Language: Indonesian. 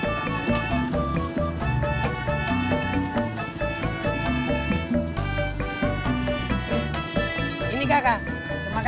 masih tuh mang